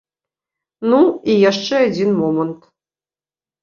Ну, і яшчэ адзін момант.